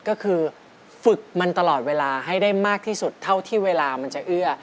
ก็คือฝึกมันตลอดเวลาให้ได้มากที่สุดเท่าที่เวลามันจะเอื้อ